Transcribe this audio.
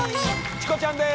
チコちゃんです。